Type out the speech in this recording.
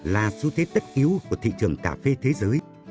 là xu thế tất yếu của thị trường cà phê thế giới